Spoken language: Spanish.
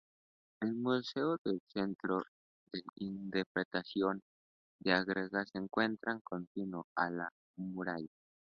El museo del Centro de Interpretación de Ágreda se encuentra contiguo a la muralla.